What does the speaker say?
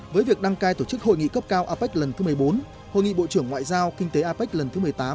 với việc đăng cai tổ chức hội nghị cấp cao apec lần thứ một mươi bốn hội nghị bộ trưởng ngoại giao kinh tế apec lần thứ một mươi tám